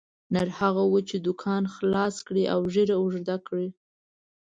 نر هغه وو چې دوکان خلاص کړي او ږیره اوږده کړي.